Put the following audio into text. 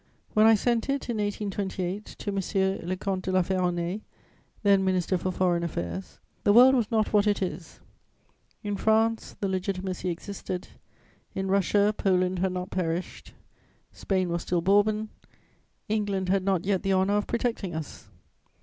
When I sent it, in 1828, to M. le Comte de La Ferronnays, then Minister for Foreign Affairs, the world was not what it is: in France, the Legitimacy existed; in Russia, Poland had not perished; Spain was still Bourbon; England had not yet the honour of protecting us.